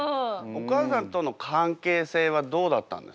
お母さんとの関係性はどうだったんですか？